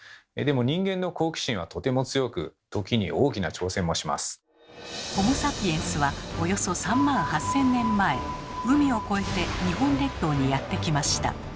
それがでもホモ・サピエンスはおよそ３万８，０００年前海を越えて日本列島にやって来ました。